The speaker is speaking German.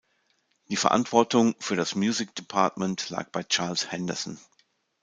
Die Verantwortung für das Music Departement lag bei Charles Henderson.